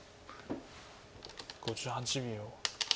５８秒。